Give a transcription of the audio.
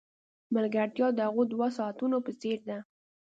ملګرتیا د هغو دوو ساعتونو په څېر ده.